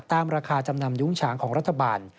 ราคาจำนำยุ้งฉางของรัฐบาล